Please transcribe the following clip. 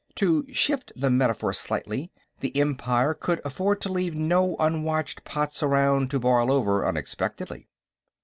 To shift the metaphor slightly, the Empire could afford to leave no unwatched pots around to boil over unexpectedly.